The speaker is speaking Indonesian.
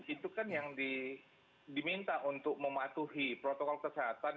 itu kan yang diminta untuk mematuhi protokol kesehatan